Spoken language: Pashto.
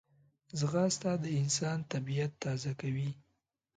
ځغاسته د انسان طبیعت تازه کوي